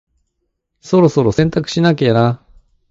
そろそろ洗濯しなきゃな。